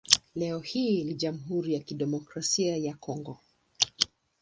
Leo hii ni Jamhuri ya Kidemokrasia ya Kongo.